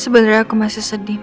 sebenernya aku masih sedih ma